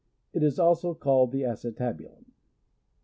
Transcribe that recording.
It is also called the acetabulum.